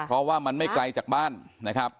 เพราะว่ามันไม่ไกลจากบ้านนะครับ